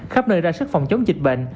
khắp nơi ra sức phòng chống dịch bệnh